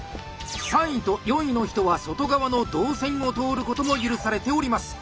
３位と４位の人は外側の道線を通ることも許されております！